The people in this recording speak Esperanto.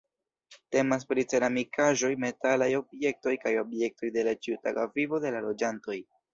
Temas pri ceramikaĵoj, metalaj objektoj kaj objektoj de la ĉiutaga vivo de la loĝantoj.